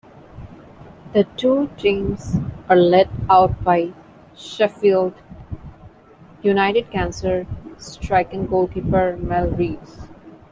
The two teams are led out by Sheffield United's cancer-stricken goalkeeper Mel Rees.